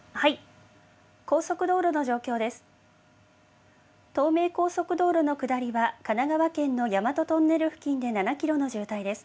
高速道路の状況です。